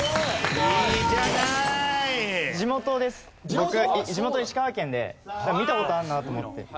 僕地元石川県で見た事あるなと思って。